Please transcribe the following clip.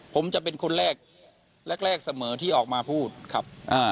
ผมจะเป็นคนแรกแรกเสมอที่ออกมาพูดครับ